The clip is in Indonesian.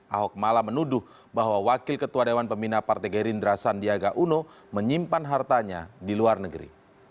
ahok malah menuduh bahwa wakil ketua dewan pembina partai gerindra sandiaga uno menyimpan hartanya di luar negeri